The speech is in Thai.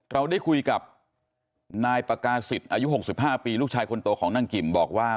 เราได้คุยกับนายปากาศิษย์อายุ๖๕ปีลูกชายคนโตของนางกิมบอกว่า